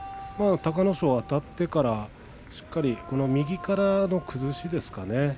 隆の勝はあたってから右からの崩しでしょうかね。